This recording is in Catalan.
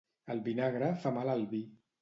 El vinagre fa mal al vi.